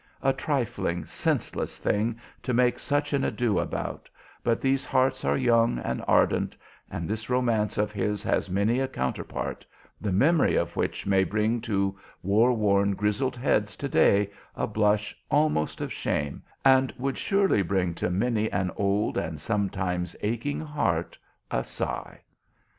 A trifling, senseless thing to make such an ado about, but these hearts are young and ardent, and this romance of his has many a counterpart, the memory of which may bring to war worn, grizzled heads to day a blush almost of shame, and would surely bring to many an old and sometimes aching heart a sigh.